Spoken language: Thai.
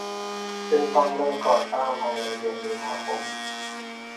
ซึ่งต้องเริ่มก่อสร้างภายในเดือนมีนาคม